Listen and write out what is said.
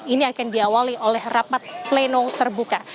ini akan diawali oleh rapat pleno terbuka